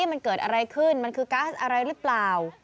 มันเกิดอะไรขึ้นมันคือก๊าซอะไรหรือเปล่า